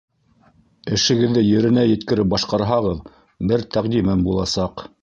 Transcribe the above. Эшегеҙҙе еренә еткереп башҡарһағыҙ, бер тәҡдимем буласаҡ.